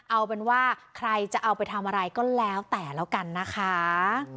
เอาเป็นว่าใครจะเอาไปทำอะไรก็แล้วแต่แล้วกันนะคะ